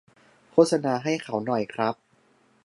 โฆษณาให้เขาหน่อยครับ